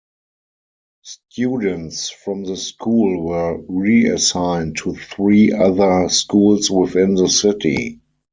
Students from the school were reassigned to three other schools within the city.